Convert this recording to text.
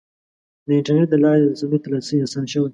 د انټرنیټ له لارې رسنیو ته لاسرسی اسان شوی.